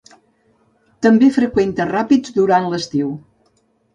També freqüenta ràpids durant l'estiu.